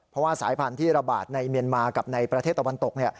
เพราะว่าสายพันธุ์ที่ระบาดในเมียนมากับในประเทศตะวันตก